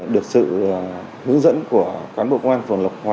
được sự hướng dẫn của cán bộ công an phường lộc hòa